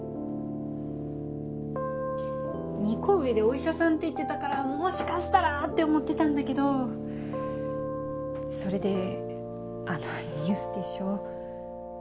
２個上でお医者さんって言ってたからもしかしたらって思ってたんだけどそれであのニュースでしょ。